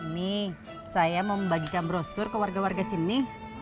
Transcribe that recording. nih saya membagikan brosur ke warga warga sini